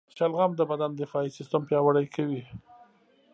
شلغم د بدن دفاعي سیستم پیاوړی کوي.